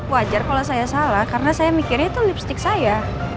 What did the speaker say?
wajar kalau saya salah karena saya mikirnya itu lipstick saya